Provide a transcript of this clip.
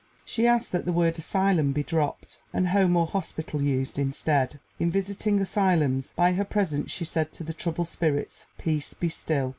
She asked that the word asylum be dropped, and home or hospital used instead. In visiting asylums, by her presence she said to the troubled spirits, Peace, be still!